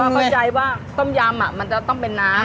เข้าใจว่าต้มยำมันจะต้องเป็นน้ำ